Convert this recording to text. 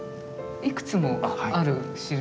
いくつもある印？